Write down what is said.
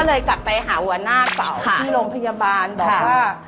เลยกลับไปหาหัวหน้าเก่าที่โรงพยาบาลบอกว่า